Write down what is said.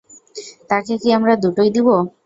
তাকে কি আমরা দুটোই দিবো?